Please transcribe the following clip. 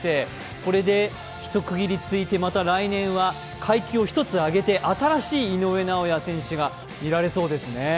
これで一区切りついて、また来年は階級を１つ上げて、新しい井上尚弥選手が見られそうですね。